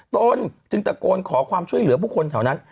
ตนจึงตะโกนขอความช่วยเหลือผู้คนแถวนั้น